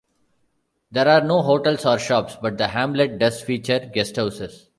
There are no hotels or shops, but the hamlet does feature guesthouses.